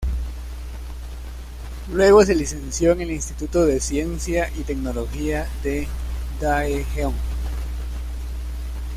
Luego, se licenció en el Instituto de Ciencia y tecnología de Daejeon.